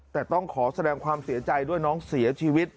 แต่ต้องขอแสดงความเสียใจด้วยน้องเสียชีวิต